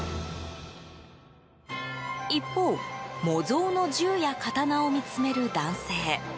一方、模造の銃や刀を見つめる男性。